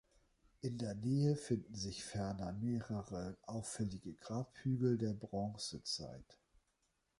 In der Nähe finden sich ferner mehrere auffällige Grabhügel der Bronzezeit.